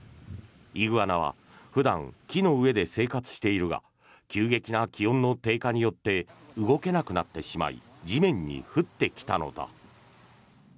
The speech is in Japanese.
イグアナは普段、木の上で生活しているが急激な気温の低下によって動けなくなってしまい地面に降ってきたのだ。